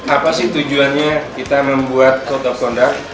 apa sih tujuannya kita membuat code of conduct